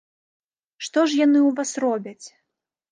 Што ж яны ў вас робяць?